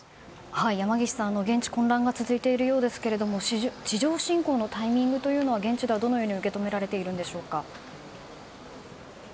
山岸さん、現地混乱が続いているようですけども地上侵攻のタイミングは現地でどのように受け止められていますか。